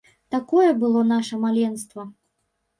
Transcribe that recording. Такое было наша маленства.